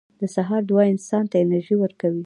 • د سهار دعا انسان ته انرژي ورکوي.